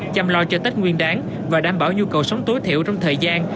chăm lo cho tết nguyên đáng và đảm bảo nhu cầu sống tối thiểu trong thời gian